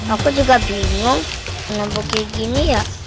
aku juga bingung nabuknya gini ya